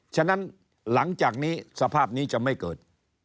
ฉะนั้นหลังจากนี้สภาพนี้จะไม่เกิด